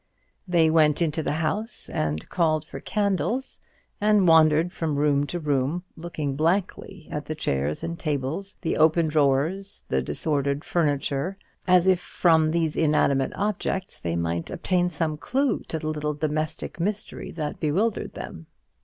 They went into the house, and called for candles, and wandered from room to room, looking blankly at the chairs and tables, the open drawers, the disordered furniture, as if from those inanimate objects they might obtain some clue to the little domestic mystery that bewildered them.